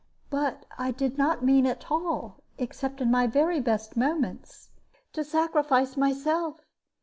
But I did not mean at all, except in my very best moments, to sacrifice myself.